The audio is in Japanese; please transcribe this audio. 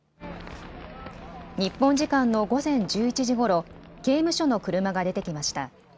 日本時間の午前１１時ごろ、刑務所の車が出てきました。